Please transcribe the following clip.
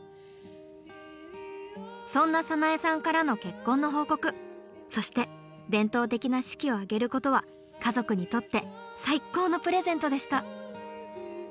そんな早苗さんからの結婚の報告そして伝統的な式を挙げることは家族にとって最高のプレゼントでした。